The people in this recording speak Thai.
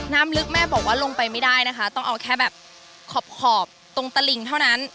น้ำลึกแม่บอกว่าลงไปไม่ได้นะคะต้องเอาแค่แบบขอบตรงตะลิงเท่านั้น